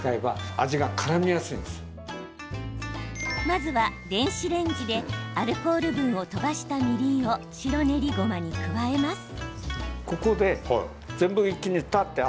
まずは、電子レンジでアルコール分を飛ばしたみりんを白練りごまに加えます。